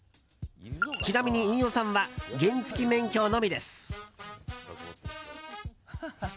ちなみに飯尾さんは原付き免許のみです。